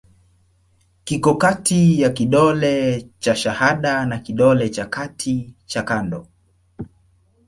Kiko kati ya kidole cha shahada na kidole cha kati cha kando.